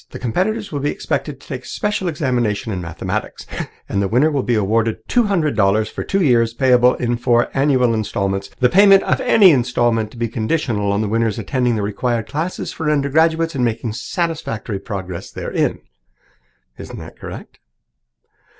The competitors will be expected to take a special examination in mathematics, and the winner will be awarded two hundred dollars for two years, payable in four annual instalments, the payment of any instalment to be conditional on the winner's attending the required classes for undergraduates and making satisfactory progress therein.' Isn't that correct?"